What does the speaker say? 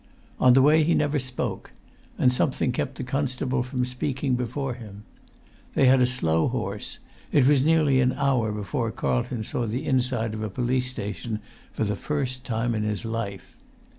On the way he never spoke, and something kept the constables from speaking before him. They had a slow horse; it was nearly an hour before Carlton saw the inside of a police station for the first time in his life.